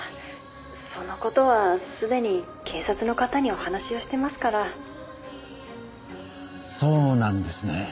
そのことはすでに警察の方にお話をしてますから・そうなんですね。